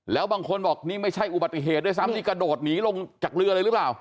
แล้วบางคนบอกนี่ไม่ใช่อุบัติเหตุด้วยซ้ำนี่กระโดดหนีลงจากเรือเลยหรือเปล่า